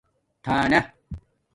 تھانہ